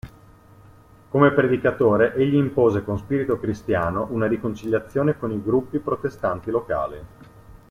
Come predicatore, egli impose con spirito cristiano una riconciliazione con i gruppi protestanti locali.